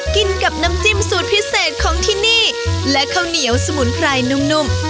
กินกับน้ำจิ้มสูตรพิเศษของที่นี่และข้าวเหนียวสมุนไพรนุ่ม